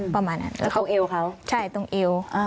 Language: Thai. ตรงเอวเขาใช่ตรงเอว